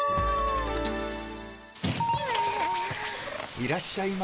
いらっしゃいませ。